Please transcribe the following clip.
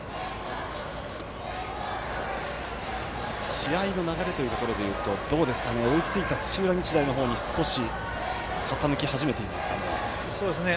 試合の流れというところでいうと追いついた土浦日大の方に少し傾きかけてますかね。